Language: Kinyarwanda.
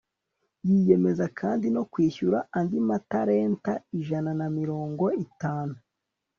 yiyemeza kandi no kwishyura andi matalenta ijana na mirongo itanu